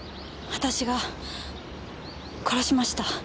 私が殺しました。